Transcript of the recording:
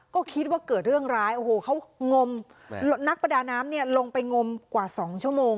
ก็คิดว่าเกิดเรื่องร้ายโอ้โหเขางมนักประดาน้ำเนี่ยลงไปงมกว่า๒ชั่วโมง